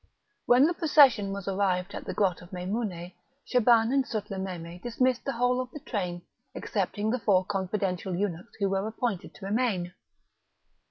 When the procession was arrived at the grot of Meimoune, Shaban and Sutlememe dismissed the whole of the train, excepting the four confidential eunuchs who were appointed to remain.